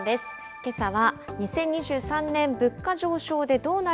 けさは、２０２３年物価上昇でどうなる？